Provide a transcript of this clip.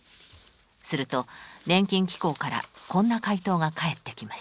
すると年金機構からこんな回答が返ってきました。